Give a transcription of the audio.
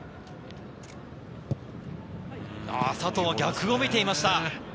佐藤は逆を見ていました。